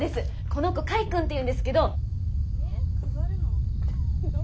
この子櫂くんっていうんですけど。